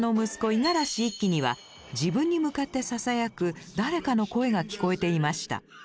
五十嵐一輝には自分に向かってささやく誰かの声が聞こえていました。